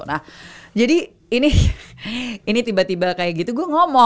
nah jadi ini tiba tiba kayak gitu gue ngomong